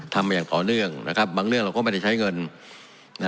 มาอย่างต่อเนื่องนะครับบางเรื่องเราก็ไม่ได้ใช้เงิน